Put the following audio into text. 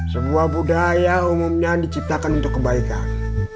sebuah budaya umumnya diciptakan untuk kebaikan